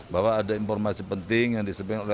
bahwa ada informasi penting yang disampaikan oleh